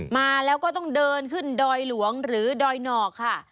มาแล้วก็ต้องเดินขึ้นดอยหลวงหรือดอยนอกค่ะ